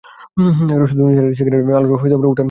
শুধু নিসার আলির সিগারেটের আলো ওঠানামা করছে।